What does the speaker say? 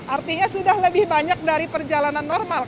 artinya sudah lebih banyak dari perjalanan normal